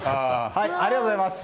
ありがとうございます。